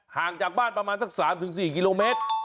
ห่างจากบ้านประมาณสัก๓๔กิโลเมตร